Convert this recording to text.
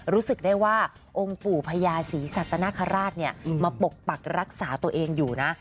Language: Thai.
รู้สึกได้ว่าองค์ปู่พญาศรีสัตนคราชมาปกปักรักษาตัวเองอยู่นะ